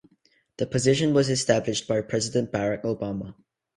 The position was established by President Barack Obama.